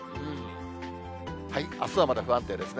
あすはまだ不安定ですね。